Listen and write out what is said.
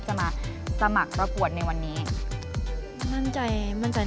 ไหนดูสิ